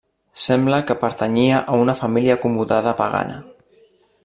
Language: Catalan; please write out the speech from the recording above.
Sembla que pertanyia a una família acomodada, pagana.